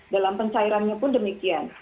dalam pencairannya pun demikian